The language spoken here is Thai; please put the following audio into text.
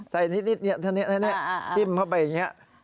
ไส้นิดเท่านี้จิ้มเข้าไปอย่างนี้